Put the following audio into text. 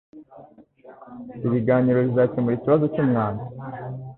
Ibiganiro bizakemura ikibazo cyumwanda.